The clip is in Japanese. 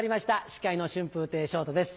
司会の春風亭昇太です。